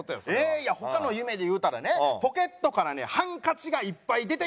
いや他の夢で言うたらねポケットからねハンカチがいっぱい出てくるっていう夢見ましたね。